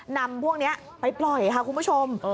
นำพวกนี้ไปปล่อยค่ะคุณผู้ชม